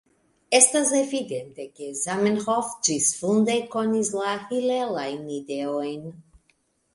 Estas evidente, ke Zamenhof ĝisfunde konis la hilelajn ideojn.